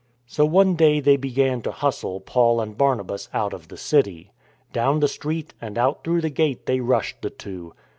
So on^ day they began to hustle Paul and Barnabas out of the city. Down the street and out through the gate they rushed the two.